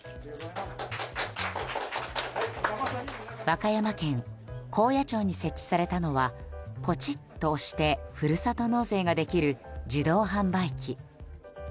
和歌山県高野町に設置されたのはポチッと押してふるさと納税ができる自動販売機。